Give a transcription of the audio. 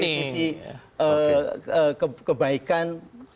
dari sisi kebaikan